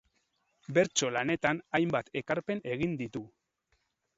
Bertso lanetan hainbat ekarpen egin ditu.